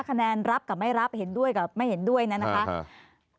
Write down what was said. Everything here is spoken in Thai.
คะแนนรับกับไม่รับเห็นด้วยกับไม่เห็นด้วยนะครับ